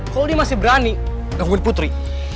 kalau dia masih berani ngebut putri